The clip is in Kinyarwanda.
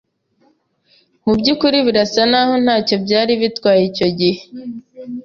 mu byukuri birasa n’aho ntacyo byari bitwaye icyo gihe